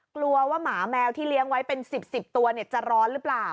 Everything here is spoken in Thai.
กลัวว่าหมาแมวที่เลี้ยงไว้เป็น๑๐ตัวจะร้อนหรือเปล่า